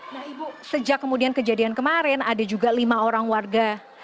nah ibu sejak kemudian kejadian kemarin ada juga lima orang warga